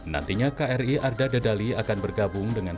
nantinya kri arda dedali akan bergabung dengan